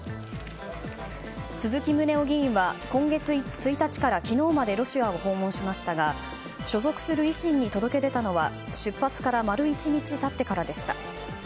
鈴木宗男議員は今月１日から昨日までロシアを訪問しましたが所属する維新に届け出たのは出発から丸１日経ってからでした。